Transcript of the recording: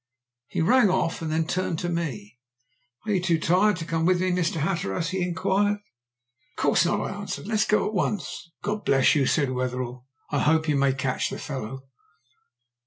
He rang off and then turned to me. "Are you too tired to come with me, Mr. Hatteras?" he inquired. "Of course not," I answered. "Let us go at once." "God bless you!" said Wetherell. "I hope you may catch the fellow."